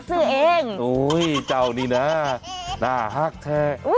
อุ้ยเจ้านี่นะหน้าดอกแท้